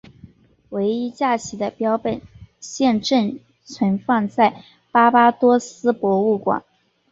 唯一架起的标本现正存放在巴巴多斯博物馆。